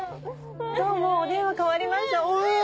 どうもお電話代わりましたお！